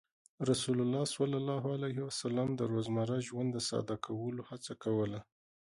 رسول الله صلى الله عليه وسلم د روزمره ژوند د ساده کولو هڅه کوله.